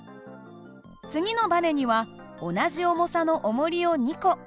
次のばねには同じ重さのおもりを２個。